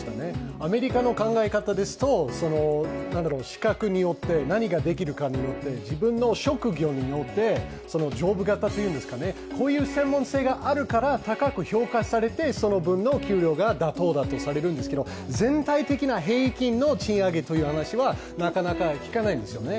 アメリカの考え方ですと、資格によって、何ができるかによって、自分の職業によって、そのジョブ型というんですかね、こういう専門性があるから評価されて妥当だというんですが、全体的な平均の賃上げという話はなかなか聞かないんですよね。